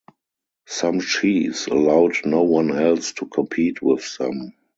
Some chiefs allowed no one else to compete with them.